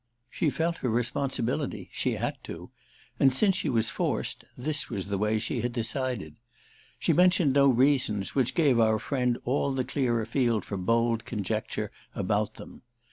She felt her responsibility—she had to—and since she was forced this was the way she had decided. She mentioned no reasons, which gave our friend all the clearer field for bold conjecture about them.